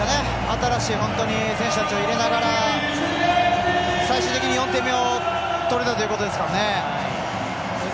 新しい、本当に選手たちを入れながら最終的に４点目を取るということですからね。